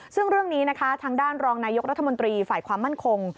ซึ่งเรื่องนี้นะคะทางด้านรองนายกรัฐมนตรีฝ่ายความมั่นคง